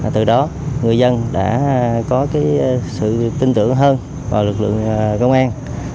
từ đó người dân đã có sự tin tưởng hơn vào lực lượng công an